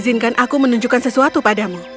izinkan aku menunjukkan sesuatu padamu